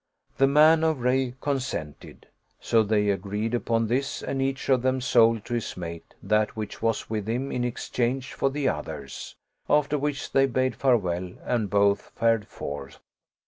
" The man of Rayy consented; so they agreed upon this and each of them sold to his mate that which was with him in exchange for the other's; after which they bade fare well and both fared forth.